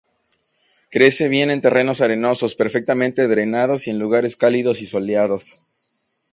Crece bien en terrenos arenosos, perfectamente drenados y en lugares cálidos y soleados.